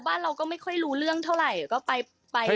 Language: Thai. บ้านเราก็ไม่ค่อยรู้เรื่องเท่าไหร่ก็ไป